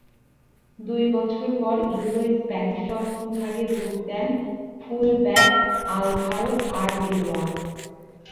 দুই বছর পর ইউরোয় স্প্যানিশ রক্ষণভাগে যোগ দেন ফুল ব্যাক আলভারো আরবেলোয়া।